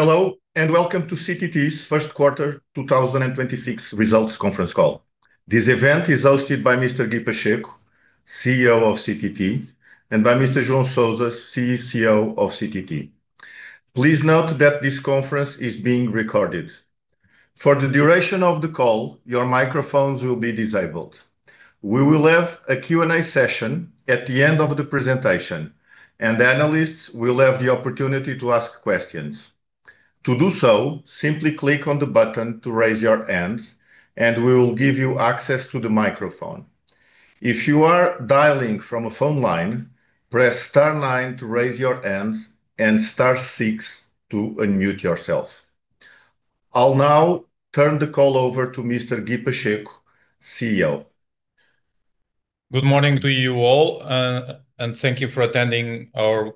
Hello, and welcome to CTT's first quarter 2026 results conference call. This event is hosted by Mr. Guy Pacheco, CEO of CTT, and by Mr. João Sousa, CCO of CTT. Please note that this conference is being recorded. For the duration of the call, your microphones will be disabled. We will have a Q&A session at the end of the presentation, and the analysts will have the opportunity to ask questions. To do so, simply click on the button to raise your hands, and we will give you access to the microphone. If you are dialing from a phone line, press star nine to raise your hand and star six to unmute yourself. I'll now turn the call over to Mr. Guy Pacheco, CEO. Good morning to you all, and thank you for attending our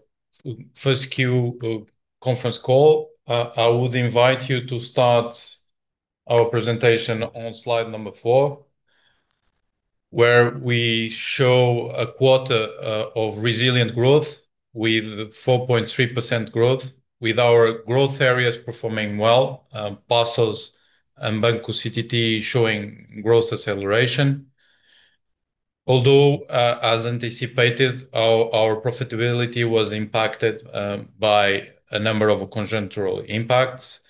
first Q conference call. I would invite you to start our presentation on slide number four, where we show a quarter of resilient growth with 4.3% growth, with our growth areas performing well, parcels and Banco CTT showing growth acceleration. Although, as anticipated, our profitability was impacted by a number of congenital impacts.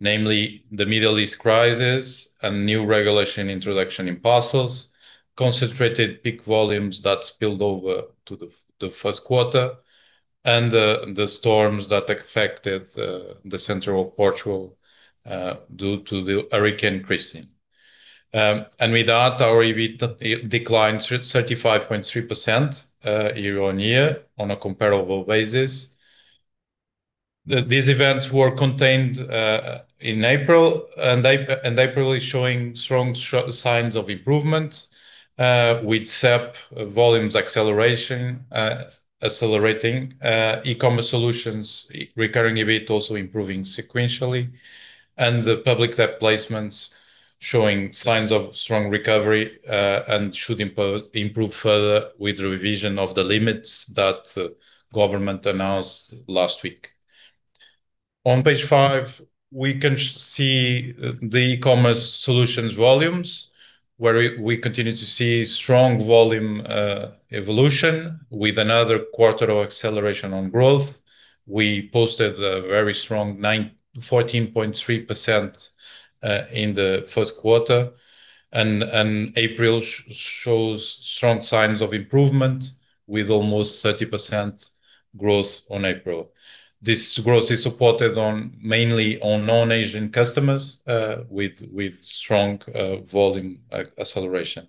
Namely, the Middle East crisis and new regulation introduction in parcels, concentrated peak volumes that spilled over to the first quarter, and the storms that affected central Portugal due to the hurricane Kristin. With that, our EBIT declined 35.3% year-on-year on a comparable basis. These events were contained in April, and April is showing strong signs of improvement, with E&P volumes acceleration, accelerating e-commerce solutions, recurring EBIT also improving sequentially, and the public debt placements showing signs of strong recovery, and should improve further with revision of the limits that government announced last week. On page five, we can see the e-commerce solutions volumes, where we continue to see strong volume evolution with another quarter of acceleration on growth. We posted a very strong 14.3% in the first quarter, and April shows strong signs of improvement with almost 30% growth on April. This growth is supported mainly on non-Asian customers, with strong volume acceleration.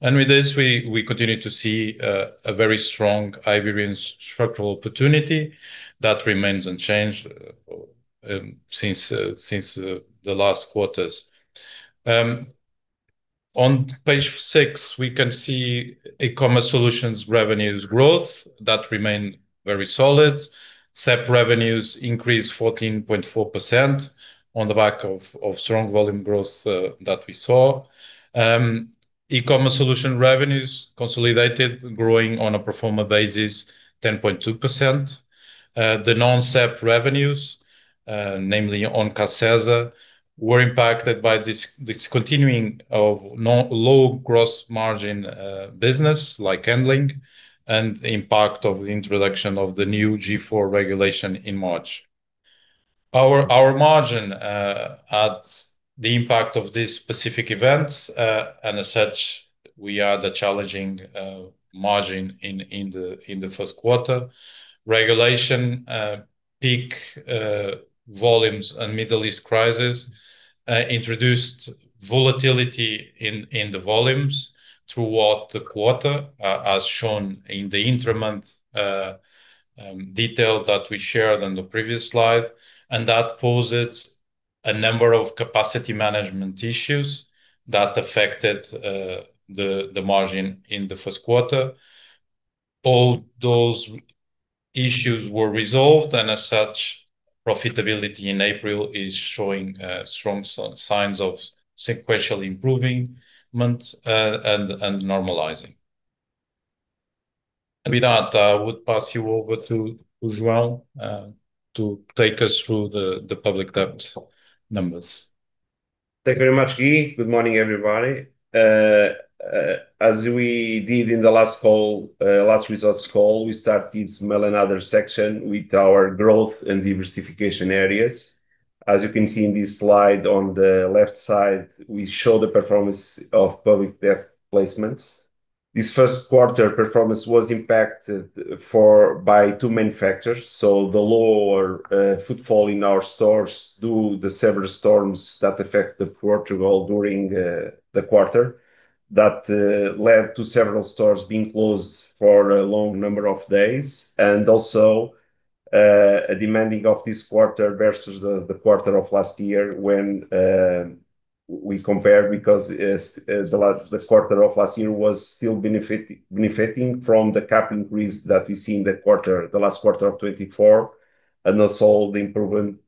With this, we continue to see a very strong Iberian structural opportunity that remains unchanged since the last quarters. On page six, we can see e-commerce solutions revenues growth that remain very solid. E&P revenues increased 14.4% on the back of strong volume growth that we saw. E-commerce solution revenues consolidated growing on a pro forma basis 10.2%. The non-E&P revenues, namely on CACESA, were impacted by discontinuing of low gross margin business like handling and impact of the introduction of the new G4 regulation in March. Our margin at the impact of these specific events, and as such, we had a challenging margin in the first quarter. Regulation, peak, volumes, and Middle East crisis, introduced volatility in the volumes throughout the quarter, as shown in the intra-month, detail that we shared on the previous slide. That poses a number of capacity management issues that affected the margin in the first quarter. All those issues were resolved, and as such, profitability in April is showing, strong signs of sequentially improving months, and normalizing. With that, I would pass you over to João, to take us through the public debt numbers. Thank you very much, Guy. Good morning, everybody. As we did in the last call, last results call, we start this another section with our growth and diversification areas. As you can see in this slide on the left side, we show the performance of public debt placements. This first quarter performance was impacted for by two main factors. The lower footfall in our stores due to several storms that affected Portugal during the quarter that led to several stores being closed for a long number of days. Also, a demanding of this quarter versus the quarter of last year when we compare because the last quarter of last year was still benefiting from the CapEx increase that we see in the quarter, the last quarter of 2024, and also the improvement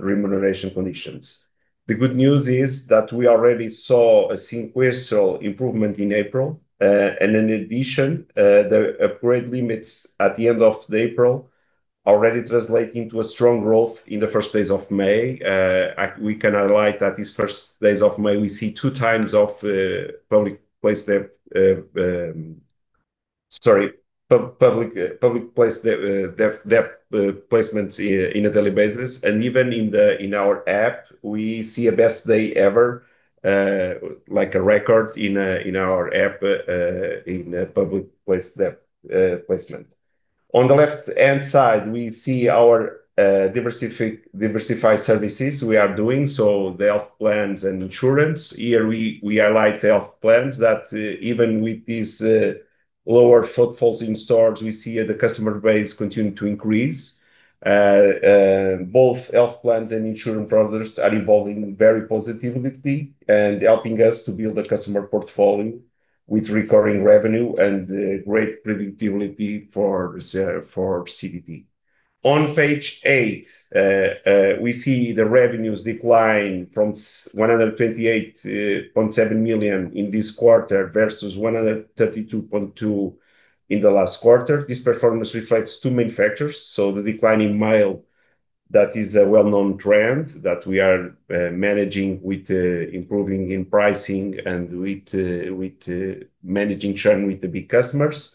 remuneration conditions. The good news is that we already saw a sequential improvement in April. In addition, the upgrade limits at the end of April already translating to a strong growth in the first days of May. We can highlight that these first days of May we see 2x of public place placements in a daily basis. Even in the, in our app, we see a best day ever, like a record in our app, in public place placement. On the left-hand side, we see our diversified services we are doing, so the health plans and insurance. Here we highlight health plans that, even with these lower footfalls in stores, we see the customer base continue to increase. Both health plans and insurance products are evolving very positively and helping us to build a customer portfolio with recurring revenue and great predictability for CTT. On page eight, we see the revenues decline from 128.7 million in this quarter versus 132.2 million in the last quarter. This performance reflects two main factors. The decline in mail, that is a well-known trend that we are managing with improving in pricing and with managing churn with the big customers.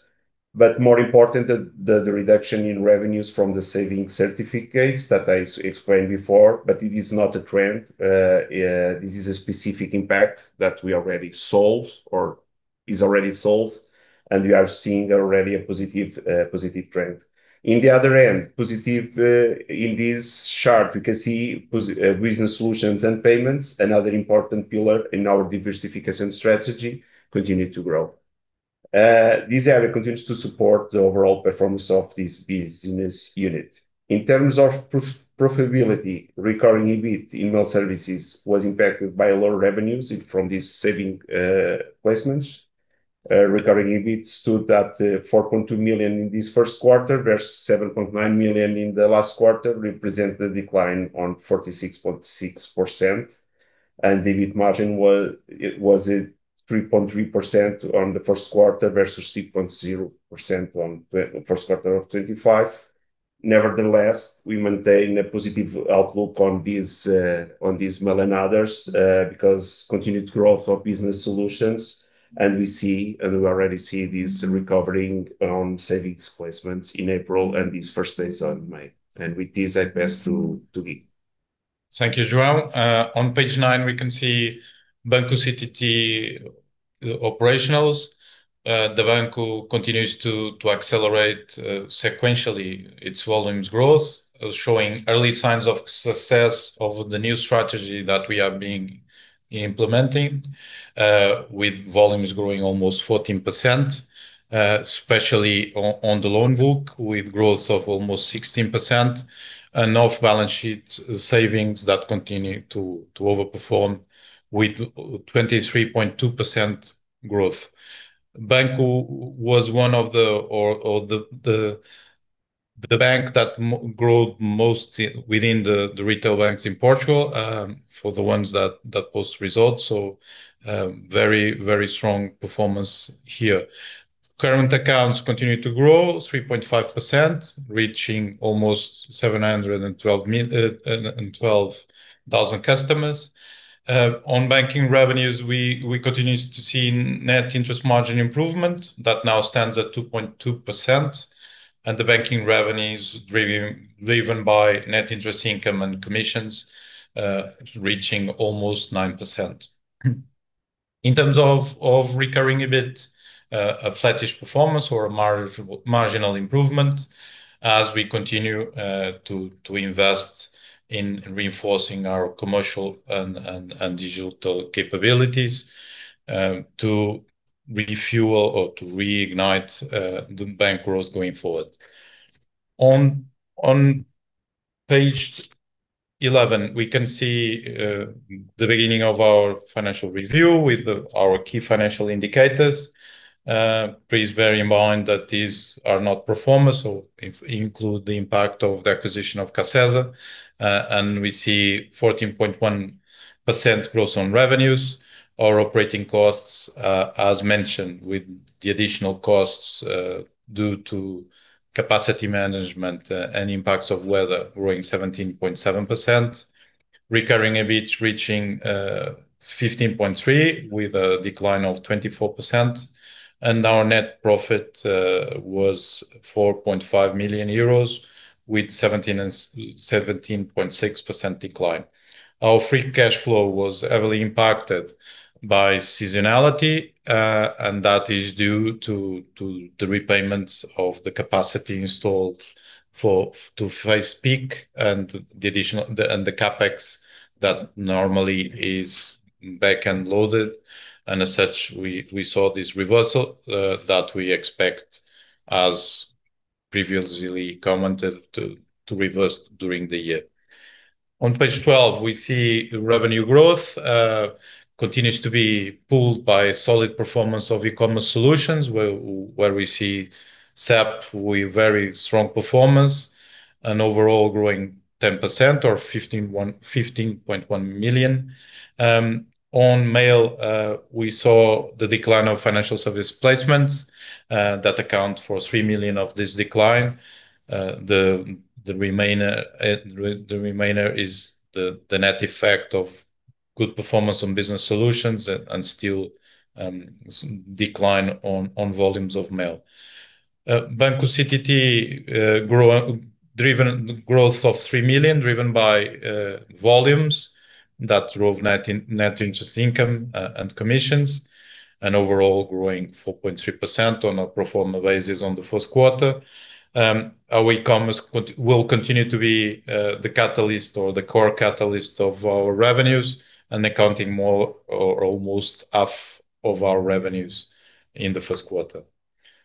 More important, the reduction in revenues from the savings certificates that I explained before, it is not a trend. This is a specific impact that we already solved or is already solved, and we are seeing already a positive positive trend. In the other end, positive, in this chart, you can see business solutions and payments, another important pillar in our diversification strategy, continue to grow. This area continues to support the overall performance of this business unit. In terms of profitability, recurring EBIT, email services was impacted by lower revenues from these saving placements. Recurring EBIT stood at 4.2 million in this first quarter versus 7.9 million in the last quarter, represent the decline on 46.6%. The EBIT margin was 3.3% on the first quarter versus 6.0% on first quarter of 2025. Nevertheless, we maintain a positive outlook on this, on this mail and others, because continued growth of business solutions. We see, and we already see this recovering on savings placements in April and these first days of May. With this, I pass to Vitor. Thank you, João. On page nine, we can see Banco CTT operationals. The Banco continues to accelerate sequentially its volumes growth, showing early signs of success of the new strategy that we have been implementing, with volumes growing almost 14%, especially on the loan book, with growth of almost 16%, and off-balance sheet savings that continue to overperform with 23.2% growth. Banco was one of the bank that growed most in within the retail banks in Portugal, for the ones that post results. Very strong performance here. Current accounts continue to grow 3.5%, reaching almost 12,000 customers. On banking revenues, we continue to see net interest margin improvement that now stands at 2.2%, and the banking revenues driven by net interest income and commissions, reaching almost 9%. In terms of recurring EBIT, a flattish performance or a marginal improvement as we continue to invest in reinforcing our commercial and digital capabilities to refuel or to reignite the bank growth going forward. On page 11, we can see the beginning of our financial review with our key financial indicators. Please bear in mind that these are not performers, so include the impact of the acquisition of CACESA. We see 14.1% growth on revenues. Our operating costs, as mentioned, with the additional costs due to capacity management, and impacts of weather growing 17.7%. Recurring EBIT reaching 15.3 million with a decline of 24%. Our net profit was EUR 4.5 million with 17.6% decline. Our free cashflow was heavily impacted by seasonality, that is due to the repayments of the capacity installed to phase peak and the additional and the CapEx that normally is back and loaded. As such, we saw this reversal that we expect, as previously commented, to reverse during the year. On page 12, we see revenue growth continues to be pulled by solid performance of e-commerce solutions where we see SAP with very strong performance and overall growing 10% or 15.1 million. On mail, we saw the decline of financial service placements that account for 3 million of this decline. The remainder is the net effect of good performance on business solutions and still decline on volumes of mail. Banco CTT growth of 3 million driven by volumes that drove net interest income and commissions, and overall growing 4.3% on a pro forma basis on the first quarter. Our e-commerce will continue to be the catalyst or the core catalyst of our revenues and accounting almost half of our revenues in the first quarter.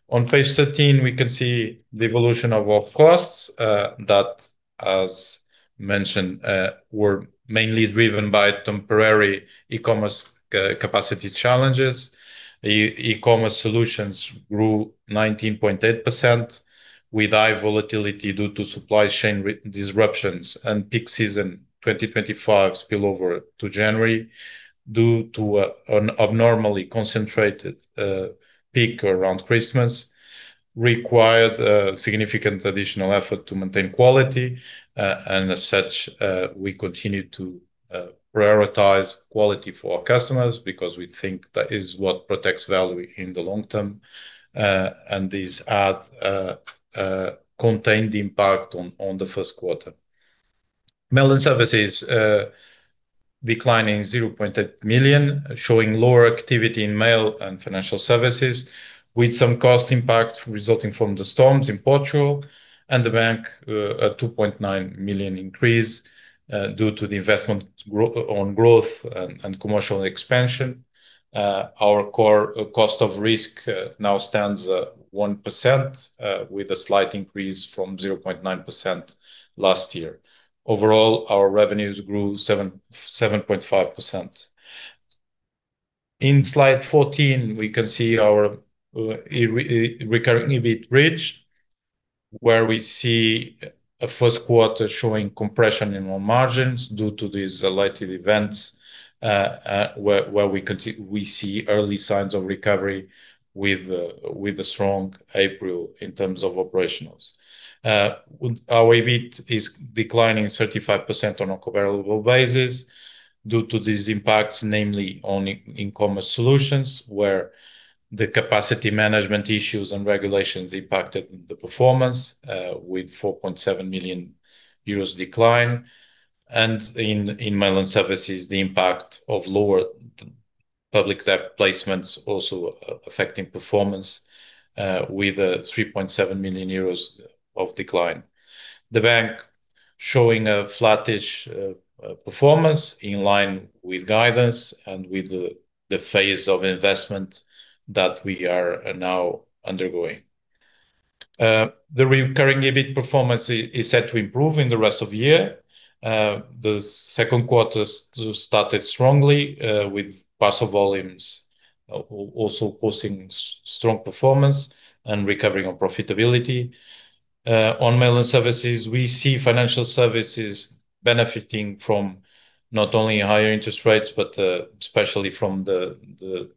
On page 13, we can see the evolution of our costs that as mentioned, were mainly driven by temporary e-commerce capacity challenges. E-commerce solutions grew 19.8% with high volatility due to supply chain disruptions and peak season 2025 spill over to January due to an abnormally concentrated peak around Christmas, required significant additional effort to maintain quality. As such, we continue to prioritize quality for our customers because we think that is what protects value in the long term. These ads contain the impact on the first quarter. Mail and services declining 0.8 million, showing lower activity in mail and financial services, with some cost impacts resulting from the storms in Portugal and Banco CTT, 2.9 million increase due to the investment on growth and commercial expansion. Our core cost of risk now stands 1% with a slight increase from 0.9% last year. Overall, our revenues grew 7.5%. In slide 14, we can see our recurring EBIT bridge, where we see a first quarter showing compression in our margins due to these highlighted events, where we see early signs of recovery with the strong April in terms of operationals. Our EBIT is declining 35% on a comparable basis due to these impacts, namely on e-commerce solutions, where the capacity management issues and regulations impacted the performance, with 4.7 million euros decline. In mail and services, the impact of lower public debt placements also affecting performance, with a 3.7 million euros of decline. The bank showing a flattish performance in line with guidance and with the phase of investment that we are now undergoing. The recurring EBIT performance is set to improve in the rest of the year. The second quarter started strongly with parcel volumes also posting strong performance and recovering on profitability. On mail and services, we see financial services benefiting from not only higher interest rates, but especially from the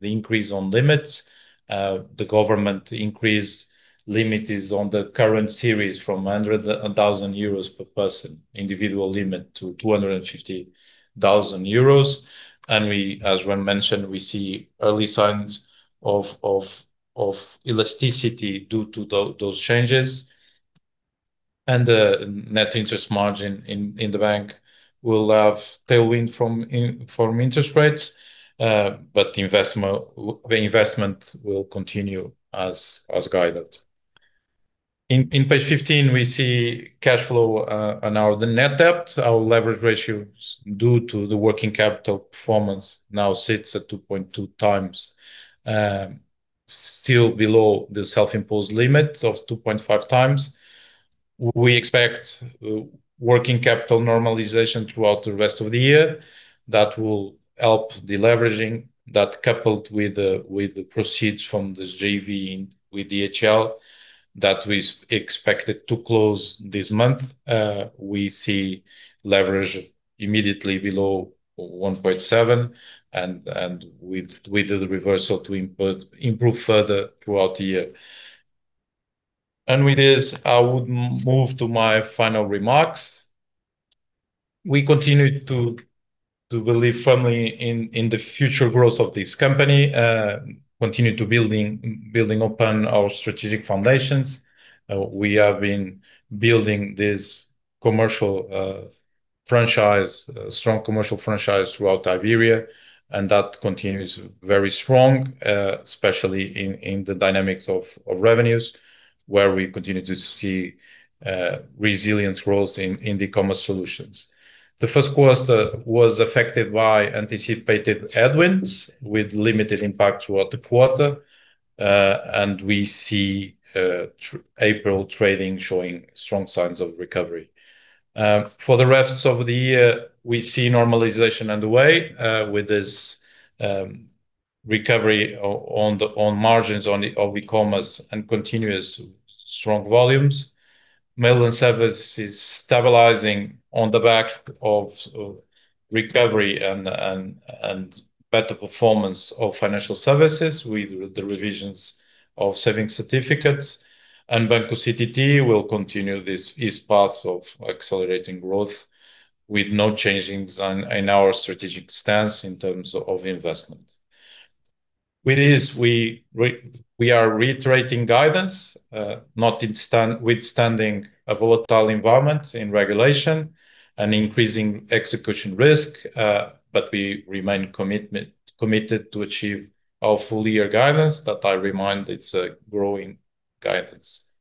increase on limits. The government increase limit is on the current series from 100,000 euros per person, individual limit to 250,000 euros. We, as João Bento mentioned, we see early signs of elasticity due to those changes. Net interest margin in the bank will have tailwind from interest rates, but the investment will continue as guided. In page 15, we see cash flow, and the net debt, our leverage ratios due to the working capital performance now sits at 2.2x, still below the self-imposed limits of 2.5x. We expect working capital normalization throughout the rest of the year. That will help deleveraging that coupled with the proceeds from this JV with DHL that is expected to close this month. We see leverage immediately below 1.7 and with the reversal to input improve further throughout the year. With this, I would move to my final remarks. We continue to believe firmly in the future growth of this company, continue to building upon our strategic foundations. We have been building this commercial franchise, strong commercial franchise throughout Iberia, and that continues very strong, especially in the dynamics of revenues, where we continue to see resilience growth in the e-commerce solutions. The first quarter was affected by anticipated headwinds with limited impact throughout the quarter, and we see April trading showing strong signs of recovery. For the rest of the year, we see normalization underway, with this recovery on margins of e-commerce and continuous strong volumes. Mail and services stabilizing on the back of recovery and better performance of financial services with the revisions of saving certificates. Banco CTT will continue this path of accelerating growth with no changing in our strategic stance in terms of investment. With this, we are reiterating guidance, notwithstanding a volatile environment in regulation and increasing execution risk, but we remain committed to achieve our full year guidance that I remind it's a growing guidance.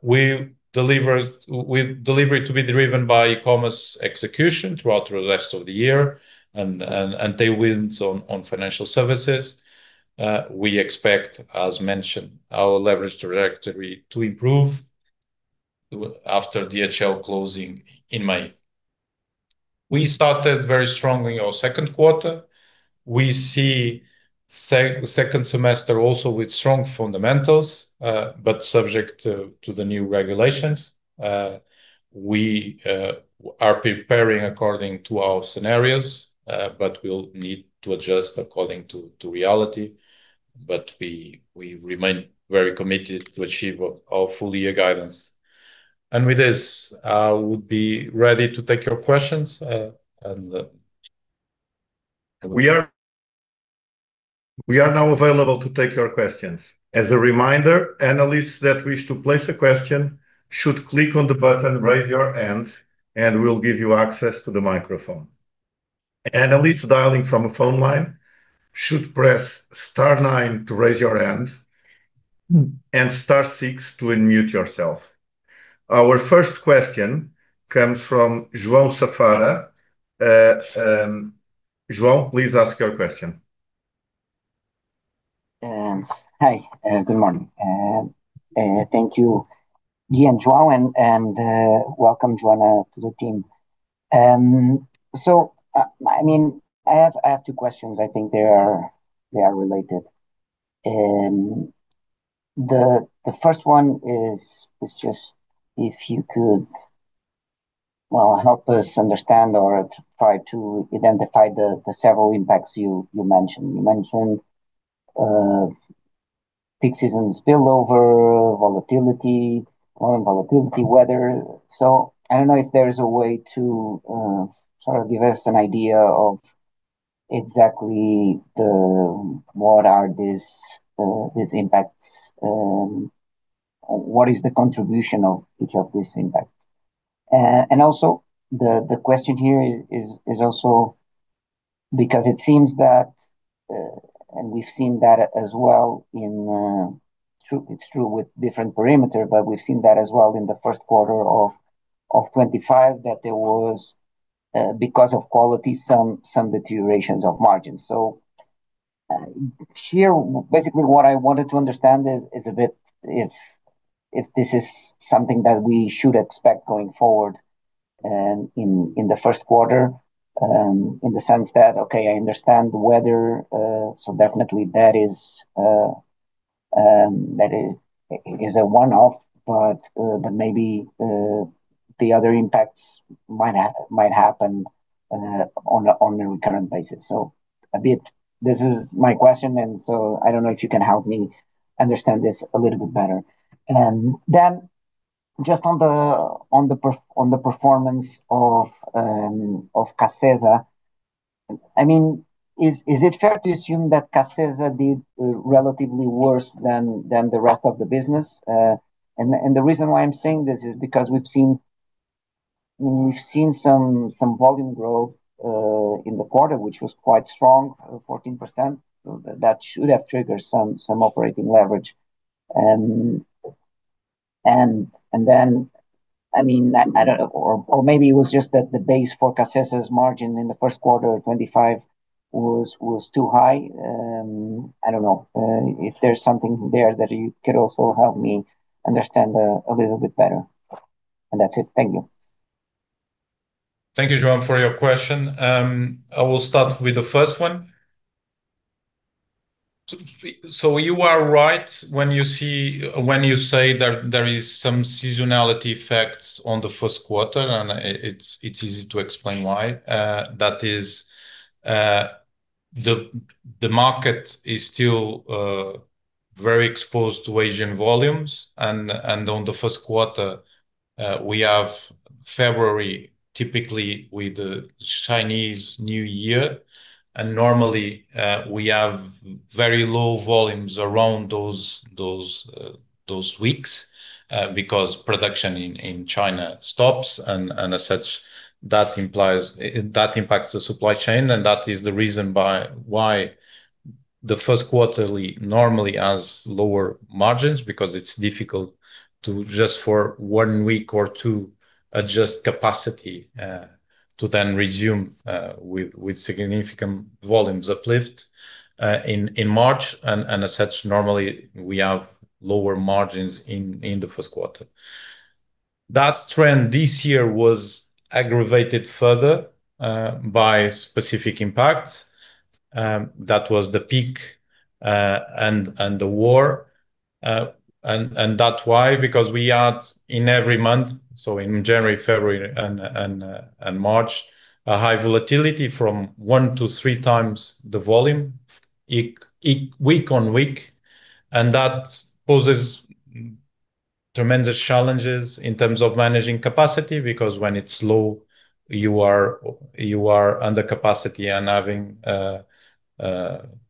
With delivery to be driven by e-commerce execution throughout the rest of the year and tailwinds on financial services. We expect, as mentioned, our leverage trajectory to improve after DHL closing in May. We started very strongly our second quarter. We see second semester also with strong fundamentals, but subject to the new regulations. We are preparing according to our scenarios, but we'll need to adjust according to reality. We remain very committed to achieve our full year guidance. With this, I would be ready to take your questions. We are now available to take your questions. As a reminder, analysts that wish to place a question should click on the button Raise Your Hand, and we'll give you access to the microphone. Analysts dialing from a phone line should press star nine to raise your hand and star six to unmute yourself. Our first question comes from João Safara. João, please ask your question. Hi, good morning. Thank you, Guy and João, and welcome Joana to the team. I mean, I have two questions. I think they are related. The first one is just if you could, well, help us understand or try to identify the several impacts you mentioned. You mentioned peak seasons spillover, volatility, volume volatility, weather. I don't know if there is a way to sort of give us an idea of exactly what are these impacts, what is the contribution of each of these impact? The question here is also because it seems that, and we've seen that as well in, it's true with different perimeter, but we've seen that as well in the first quarter of 2025, that there was because of quality, some deteriorations of margins. Here, basically what I wanted to understand is a bit if this is something that we should expect going forward in the first quarter, in the sense that, okay, I understand the weather. Definitely that is a one-off, maybe the other impacts might happen on a recurrent basis. A bit this is my question, I don't know if you can help me understand this a little bit better. Just on the performance of CACESA, I mean, is it fair to assume that CACESA did relatively worse than the rest of the business? The reason why I'm saying this is because we've seen some volume growth in the quarter, which was quite strong, 14%. That should have triggered some operating leverage. I mean, I don't know, or maybe it was just that the base for CACESA's margin in the first quarter of 2025 was too high. I don't know if there's something there that you could also help me understand a little bit better. That's it. Thank you. Thank you, João, for your question. I will start with the first one. You are right when you say there is some seasonality effects on the first quarter, and it's easy to explain why. That is, the market is still very exposed to Asian volumes and on the first quarter, we have February typically with the Chinese New Year. Normally, we have very low volumes around those weeks because production in China stops and as such, that impacts the supply chain, and that is the reason why the first quarter normally has lower margins because it's difficult to just for one week or two adjust capacity to then resume with significant volumes uplift in March. As such, normally we have lower margins in the first quarter. That trend this year was aggravated further by specific impacts. That was the peak and the war. That's why, because we had in every month, so in January, February, and March, a high volatility from 1x-3x the volume week on week. That poses tremendous challenges in terms of managing capacity because when it's slow you are under capacity and having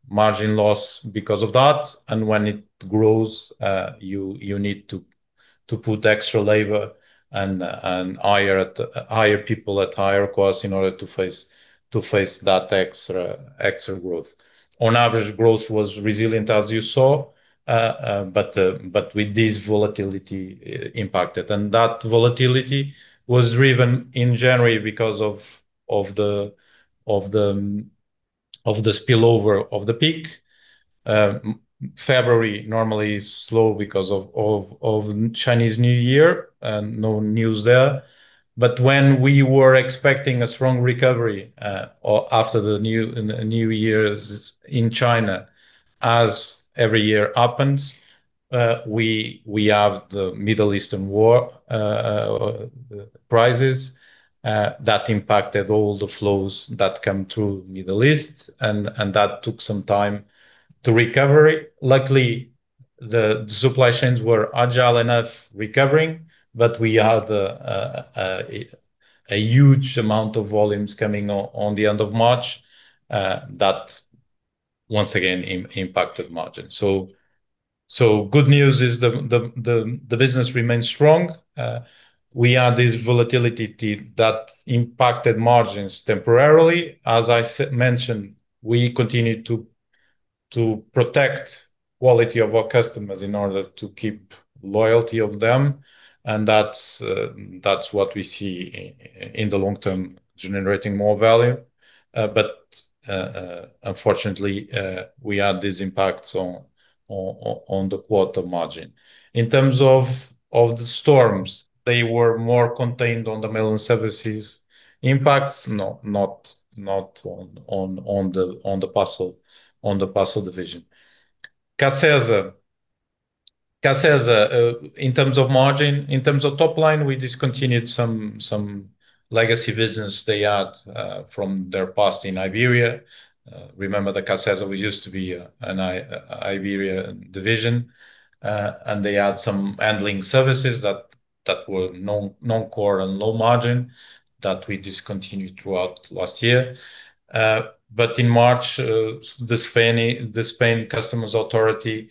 margin loss because of that. When it grows, you need to put extra labor and hire people at higher costs in order to face that extra growth. On average, growth was resilient as you saw. But with this volatility, impacted. That volatility was driven in January because of the spillover of the peak. February normally is slow because of Chinese New Year and no news there. When we were expecting a strong recovery, or after the New Year's in China, as every year happens, we have the Middle Eastern war prices that impacted all the flows that come through Middle East and that took some time to recover it. Luckily, the supply chains were agile enough recovering, but we had a huge amount of volumes coming on the end of March that once again impacted margin. Good news is the business remains strong. We had this volatility that impacted margins temporarily. As I mentioned, we continue to protect quality of our customers in order to keep loyalty of them, and that's what we see in the long term generating more value. Unfortunately, we had these impacts on the quarter margin. In terms of the storms, they were more contained on the mail and services impacts. Not on the parcel division. CACESA. CACESA, in terms of margin, in terms of top line, we discontinued some legacy business they had from their past in Iberia. Remember that CACESA used to be an Iberia division, and they had some handling services that were non-core and low margin that we discontinued throughout last year. In March, the Spain Customs Authority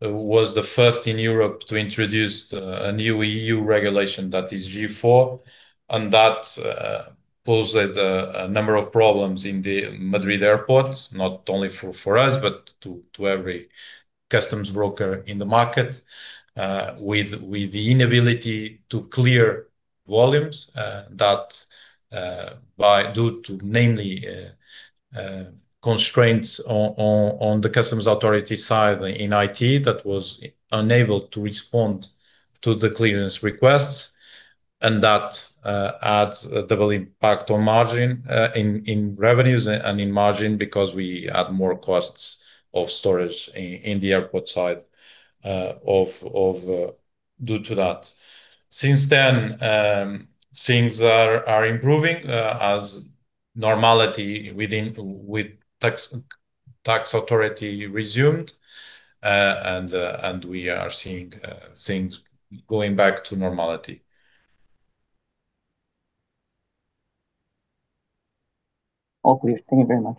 was the first in Europe to introduce a new EU regulation that is G4, and that poses a number of problems in the Madrid airports, not only for us, but to every customs broker in the market. With the inability to clear volumes, that due to namely constraints on the customs authority side in IT that was unable to respond to the clearance requests and that adds a double impact on margin, in revenues and in margin because we add more costs of storage in the airport side due to that. Since then, things are improving as normality with tax authority resumed. We are seeing, things going back to normality. All clear. Thank you very much.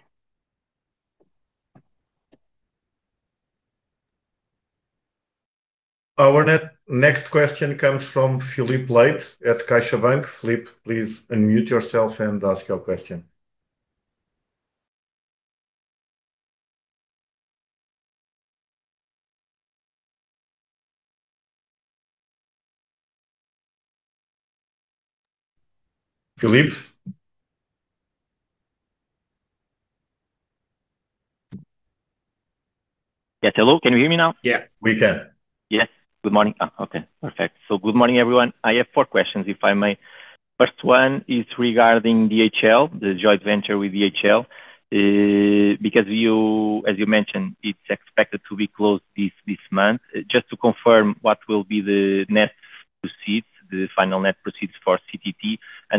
Our next question comes from Filipe Leite at CaixaBank BPI. Filipe, please unmute yourself and ask your question. Filipe? Yes. Hello. Can you hear me now? Yeah, we can. Yes. Good morning. Oh, okay. Perfect. Good morning, everyone. I have four questions if I may. First one is regarding DHL, the joint venture with DHL. Because you, as you mentioned, it's expected to be closed this month. Just to confirm what will be the net proceeds, the final net proceeds for CTT.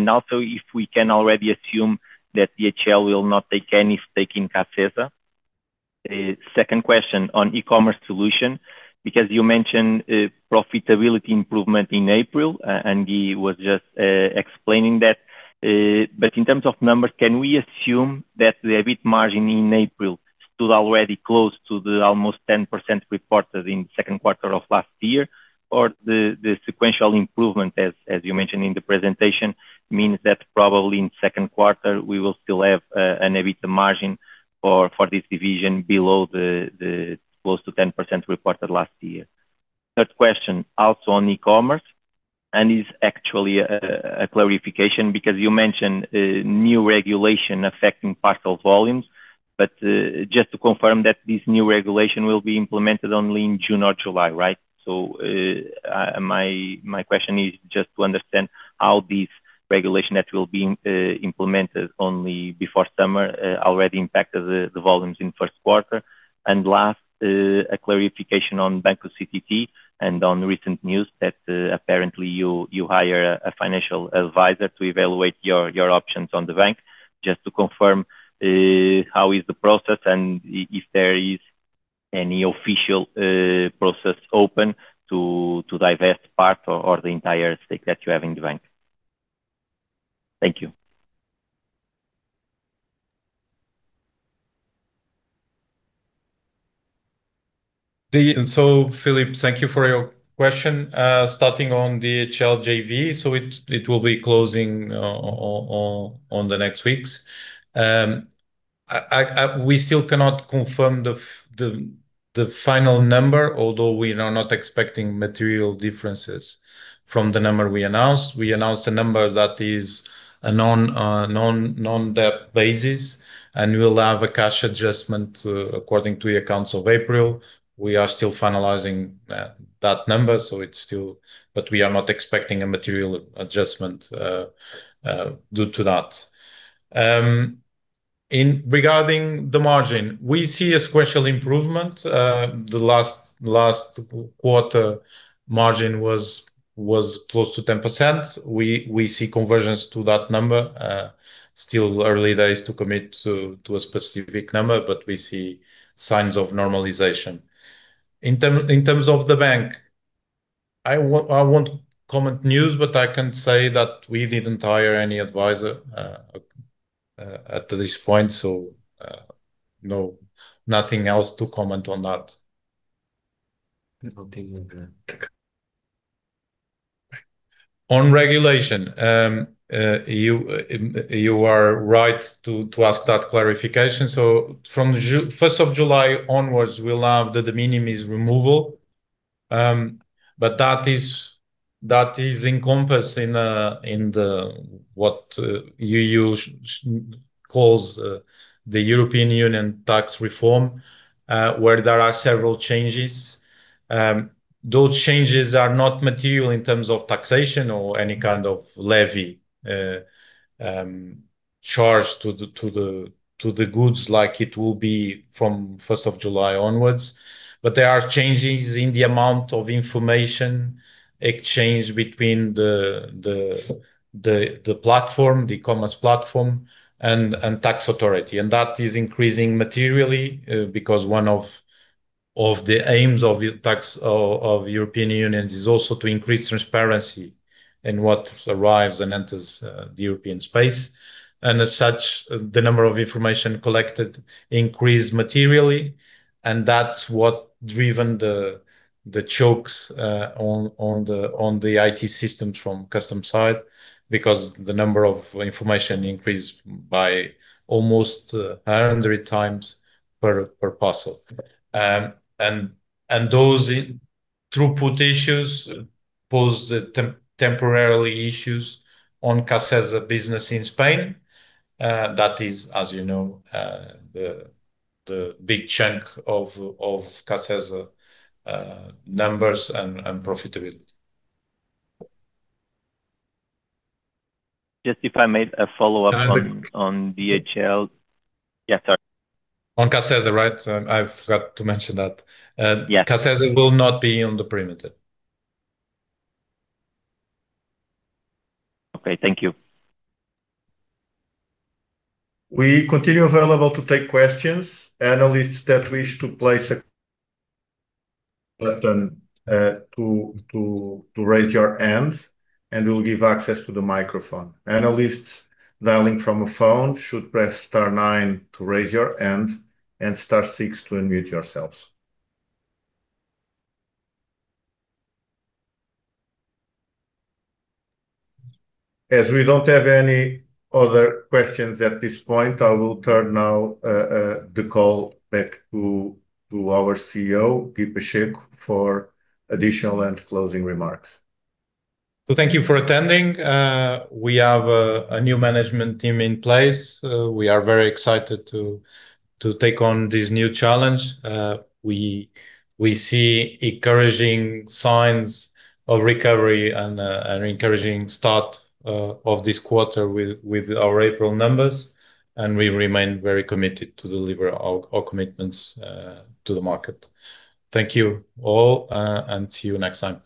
Also if we can already assume that DHL will not take any stake in CACESA. Second question on e-commerce solution, because you mentioned profitability improvement in April, and he was just explaining that. In terms of numbers, can we assume that the EBIT margin in April stood already close to the almost 10% reported in second quarter of last year? The sequential improvement as you mentioned in the presentation, means that probably in second quarter we will still have an EBITA margin for this division below the close to 10% reported last year. Third question, also on e-commerce, and is actually a clarification because you mentioned a new regulation affecting parcel volumes. Just to confirm that this new regulation will be implemented only in June or July, right? My question is just to understand how this regulation that will be implemented only before summer, already impacted the volumes in first quarter. Last, a clarification on Banco CTT and on recent news that apparently you hire a financial advisor to evaluate your options on the bank. Just to confirm, how is the process and if there is any official process open to divest part or the entire stake that you have in the bank. Thank you. Filipe, thank you for your question. Starting on DHL JV, it will be closing on the next weeks. We still cannot confirm the final number, although we are not expecting material differences from the number we announced. We announced a number that is a non-debt basis, and we'll have a cash adjustment according to the accounts of April. We are still finalizing that number. We are not expecting a material adjustment due to that. Regarding the margin, we see a sequential improvement. The last quarter margin was close to 10%. We see convergence to that number. Still early days to commit to a specific number, we see signs of normalization. In terms of the bank, I won't comment news, but I can say that we didn't hire any advisor at this point. Nothing else to comment on that. On regulation, you are right to ask that clarification. From First of July onwards, we'll have the de minimis removal. That is encompassed in the what you calls the European Union Tax Reform, where there are several changes. Those changes are not material in terms of taxation or any kind of levy charged to the goods like it will be from 1st of July onwards. There are changes in the amount of information exchange between the platform, the commerce platform and tax authority. That is increasing materially because one of the aims of the tax of European Union is also to increase transparency in what arrives and enters the European space. As such, the number of information collected increased materially, and that's what driven the chokes on the IT systems from Customs side. The number of information increased by almost 100x per parcel. Those throughput issues pose temporarily issues on CACESA business in Spain that is, as you know, the big chunk of CACESA numbers and profitability. Just if I made a follow-up And- -on DHL. Yeah, sorry. On CACESA, right? I forgot to mention that. Yes. CACESA will not be on the perimeter. Okay. Thank you. We continue available to take questions. Analysts that wish to place a button, to raise your hand, and we will give access to the microphone. Analysts dialing from a phone should press star nine to raise your hand and star six to unmute yourselves. As we don't have any other questions at this point, I will turn now the call back to our CEO, Guy Pacheco, for additional and closing remarks. Thank you for attending. We have a new management team in place. We are very excited to take on this new challenge. We see encouraging signs of recovery and an encouraging start of this quarter with our April numbers, and we remain very committed to deliver our commitments to the market. Thank you all, and see you next time.